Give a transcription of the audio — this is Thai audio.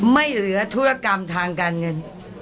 ไม่เหลือธุรกรรมทางการเงิน